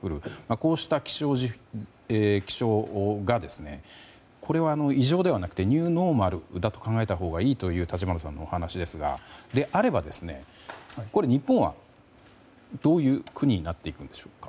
こうした気象がこれは異常ではなくてニューノーマルだと考えたほうがいいという立花さんのお話ですがそうであれば、日本はどういう国になっていくんでしょうか？